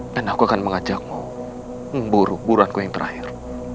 aku akan mengajakmu memburu buruanku yang terakhir